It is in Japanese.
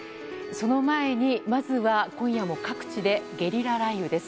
その前に、まずは今夜も各地でゲリラ雷雨です。